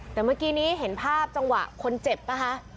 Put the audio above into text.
แต่เมื่อกี้นี้เห็นภาพจังหวะคนเจ็บนะคะ